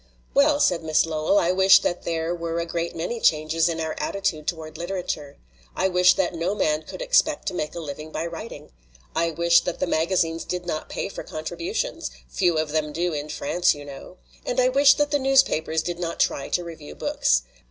"Well," said Miss Lowell, "I wish that there were a great many changes in our attitude toward literature. I wish that no man could expect to make a living by writing. I wish that the maga zines did not pay for contributions few of them do in France, you know. And I wish that the newspapers did not try to review books.